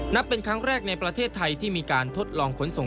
เป็นครั้งแรกในประเทศไทยที่มีการทดลองขนส่ง